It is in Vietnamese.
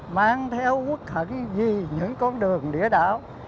mang theo quốc thần vì những con đường địa đạo